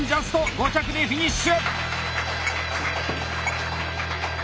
５着でフィニッシュ！